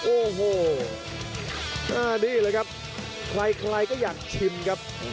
โอ้โหนี่แหละครับใครใครก็อยากชิมครับ